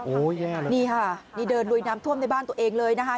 โอ้โหนี่ค่ะนี่เดินลุยน้ำท่วมในบ้านตัวเองเลยนะคะ